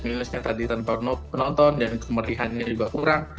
minusnya tadi tanpa penonton dan kemerihannya juga kurang